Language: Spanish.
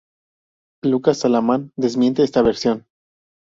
Lucas Alamán desmiente esta versión.